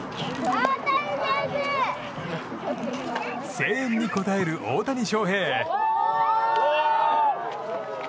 声援に応える大谷翔平。